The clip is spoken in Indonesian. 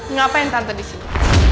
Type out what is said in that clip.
ngapain tante disini